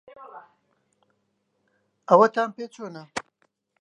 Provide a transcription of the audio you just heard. ئەوەتان پێ چۆنە؟